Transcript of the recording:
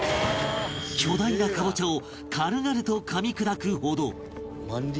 巨大なカボチャを軽々と噛み砕くほど